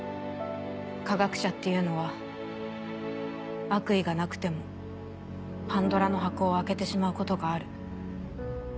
科学者っていうのは悪意がなくてもパンドラの箱を開けてしまうことがある。